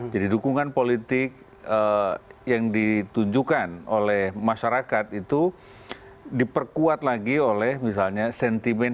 jadi dukungan politik yang ditunjukkan oleh masyarakat itu diperkuat lagi oleh misalnya sentimen